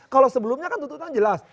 kalau sebelumnya kan tentu tentu jelas